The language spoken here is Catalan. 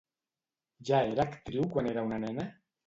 Ja era actriu quan era una nena?